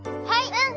うん！